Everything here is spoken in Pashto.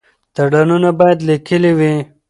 تړونونه باید لیکلي وي.